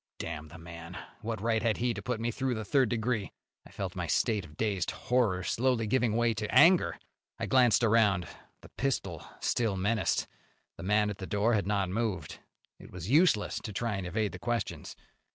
Damn the man! What right had he to put me through the third degree? I felt my state of dazed horror slowly giving way to anger. I glanced around. The pistol still menaced; the man at the door had not moved. It was useless to try and evade the questions.